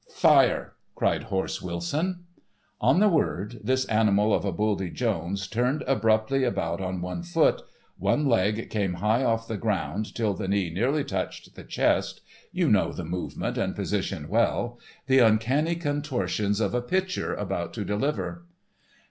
"Fire!" cried "Horse" Wilson. On the word "This Animal of a Buldy Jones" turned abruptly about on one foot, one leg came high off the ground till the knee nearly touched the chest—you know the movement and position well—the uncanny contortions of a pitcher about to deliver.